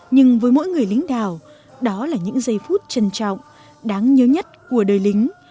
nhưng với mỗi người lính đảo đó là những giây phút trân trọng đáng nhớ nhất của đời lính